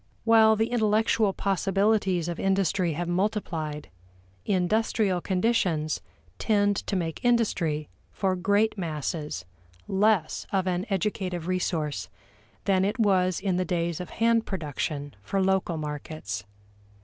While the intellectual possibilities of industry have multiplied, industrial conditions tend to make industry, for great masses, less of an educative resource than it was in the days of hand production for local markets.